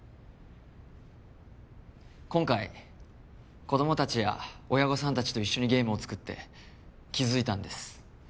今回子供達や親御さん達と一緒にゲームを作って気づいたんです